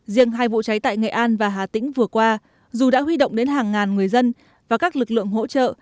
riêng hai vụ cháy tại nghệ an và hà tĩnh vừa qua dù đã huy động đến hàng ngàn người dân và các lực lượng hỗ trợ